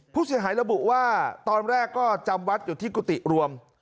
ผู้เสียหายระบุว่าตอนแรกก็จำวัดอยู่ที่กุฏิรวม